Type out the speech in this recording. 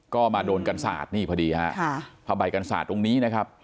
ก็มาโดนกันศาสตร์นี่พอดีภาพใบกันศาสตร์ตรงนี้